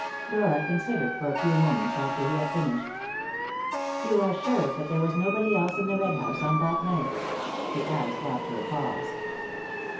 Dora considered for a few moments after he had finished. "You are sure that there was nobody else in the Red House on that night?" she asked, after a pause.